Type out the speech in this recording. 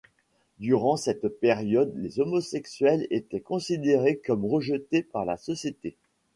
Durant cette période, les homosexuels étaient considéré comme rejeté par la société.